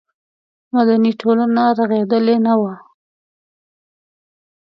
مدني ټولنه رغېدلې نه وه.